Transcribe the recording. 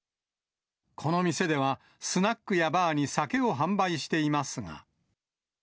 この店では、スナックやバーに酒を販売していますが。